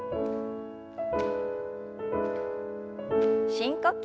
深呼吸。